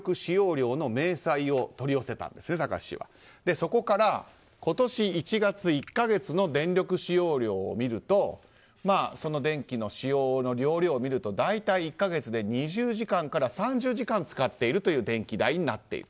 そこから、今年１月１か月の電気使用量を見ると電気の使用の容量を見ると大体１か月で２０時間から３０時間使っているという電気代になっている。